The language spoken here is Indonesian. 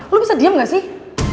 lo bisa diam gak sih